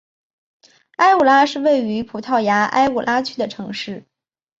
埃武拉是位于葡萄牙埃武拉区的城市。